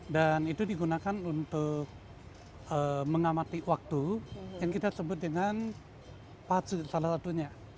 dan itu digunakan untuk mengamati waktu yang kita sebut dengan pazhi salah satunya